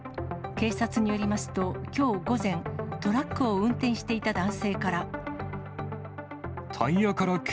警察によりますと、きょう午前、トラックを運転していた男性から。